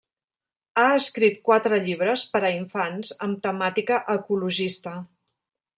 Ha escrit quatre llibres per a infants, amb temàtica ecologista.